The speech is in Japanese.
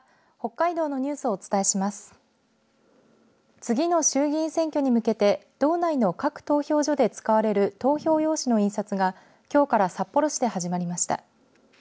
次の衆議院選挙に向けて道内の各投票所で使われる投票用紙の印刷がきょうから札幌市で始まりました。